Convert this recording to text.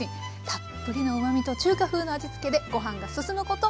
たっぷりのうまみと中華風の味付けでご飯が進むこと